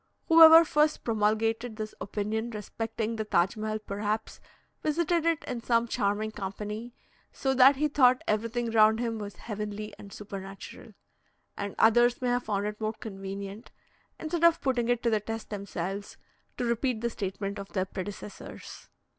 Whoever first promulgated this opinion respecting the Taj Mehal perhaps visited it in some charming company, so that he thought everything round him was heavenly and supernatural; and others may have found it more convenient, instead of putting it to the test themselves, to repeat the statement of their predecessors.